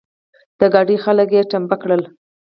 د ګاډي خلګ يې ټمبه کړل.